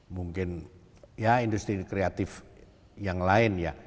mungkin ya industri kreatif yang lain ya